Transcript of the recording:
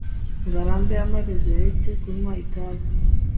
ngarambe amaherezo yaretse kunywa itabi